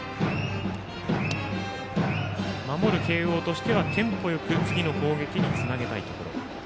守る慶応としては、テンポよく次の攻撃につなげたいところ。